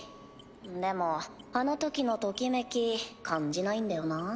でもあのときのときめき感じないんだよなぁ。